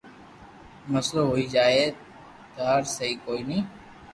مسئلو ھوئي جائين ٽار سھي ڪوئي ني